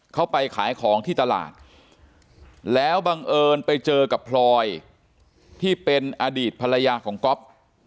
เขาไปขายของที่ตลาดแล้วบังเอิญไปเจอกับพลอยที่เป็นอดีตภรรยาของก๊อฟ